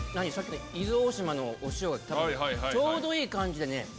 さっき伊豆大島のお塩ちょうどいい感じでね。